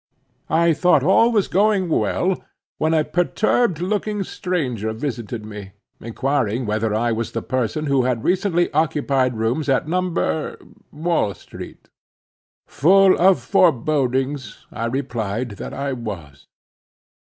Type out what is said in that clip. I thought all was going well, when a perturbed looking stranger visited me, inquiring whether I was the person who had recently occupied rooms at No.—Wall street. Full of forebodings, I replied that I was.